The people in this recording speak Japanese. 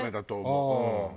うん。